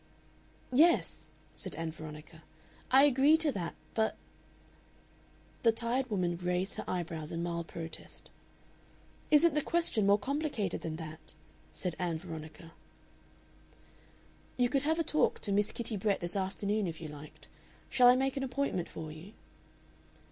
"Yes," said Ann Veronica, "I agree to that. But " The tired woman raised her eyebrows in mild protest. "Isn't the question more complicated than that?" said Ann Veronica. "You could have a talk to Miss Kitty Brett this afternoon, if you liked. Shall I make an appointment for you?"